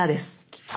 きた。